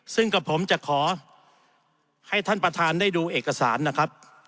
ซึ่งกับผมจะขอให้ท่านประธานได้ดูเอกสารนะครับ